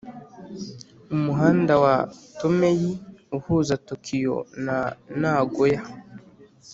umuhanda wa tomei uhuza tokiyo na nagoya